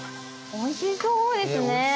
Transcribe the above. おいしそうですね。